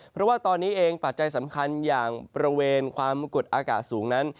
เพราะว่าตอนนี้เองปัจจัยสำคัญอย่างบริเวณความกดอากาศสูงนั้น